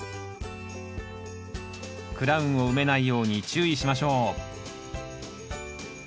クラウンを埋めないように注意しましょう